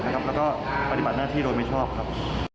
แล้วก็ปฏิบัติหน้าที่โดยไม่ชอบครับ